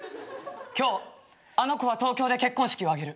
今日あの子は東京で結婚式を挙げる。